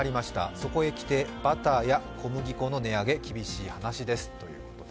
そこへ来てバターや小麦粉の値上げ厳しい話です。